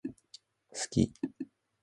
好き